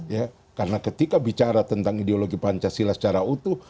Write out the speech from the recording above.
ya karena ketika bicara tentang ideologi pancasila secara utuh